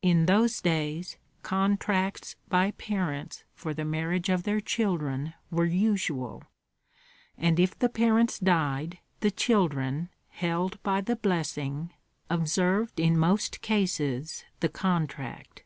In those days contracts by parents for the marriage of their children were usual; and if the parents died the children, held by the blessing, observed in most cases the contract.